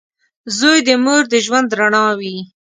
• زوی د مور د ژوند رڼا وي.